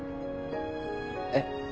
えっ？